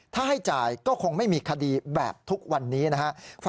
ถ้าให้จ่ายก็คงไม่มีคดีแบบทุกวันนี้นะครับ